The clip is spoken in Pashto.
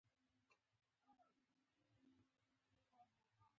زه ستړی یم.